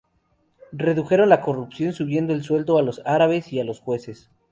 Redujeron la corrupción subiendo el sueldo a los árabes y a los jueces.